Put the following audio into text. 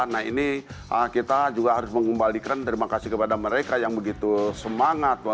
nah ini kita juga harus mengembalikan terima kasih kepada mereka yang begitu semangat